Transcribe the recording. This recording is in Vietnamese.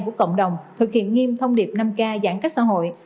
của cộng đồng thực hiện nghiêm thông điệp năm k giãn cách xã hội